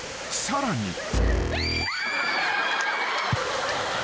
［さらに］